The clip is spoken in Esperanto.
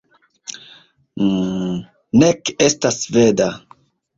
... nek estas sveda